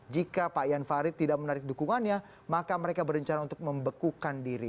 jika pak ian farid tidak menarik dukungannya maka mereka berencana untuk membekukan diri